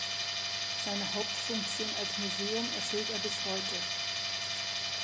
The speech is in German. Seine Hauptfunktion als Museum erfüllt er bis heute.